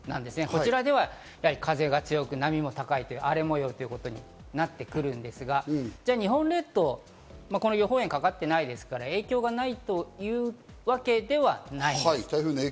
こちらでは風が強く、波も高い、荒れ模様となってくるんですが、日本列島、予報円がかかってないですから影響がないというわけではないんです。